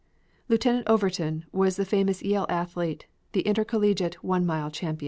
Lieutenant Overton was the famous Yale athlete, the intercollegiate one mile champion.